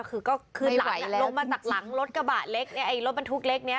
คือก็คือหลังลงมาจากหลังรถกระบะเล็กไอ้รถบรรทุกเล็กเนี้ย